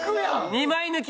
２枚抜き！